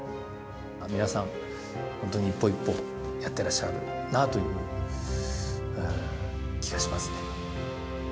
皆さん、本当に一歩一歩やってらっしゃるなという気がしますね。